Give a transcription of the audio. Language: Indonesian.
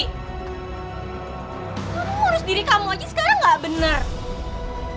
kamu urus diri kamu aja sekarang bener gak